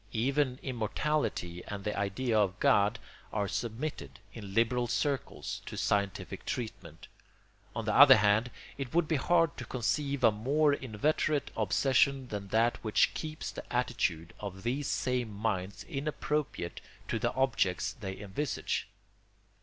Even immortality and the idea of God are submitted, in liberal circles, to scientific treatment. On the other hand, it would be hard to conceive a more inveterate obsession than that which keeps the attitude of these same minds inappropriate to the objects they envisage.